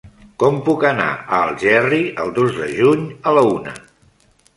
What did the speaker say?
Com puc anar a Algerri el dos de juny a la una?